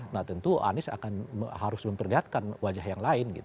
nah tentu anies akan harus memperlihatkan wajah yang lain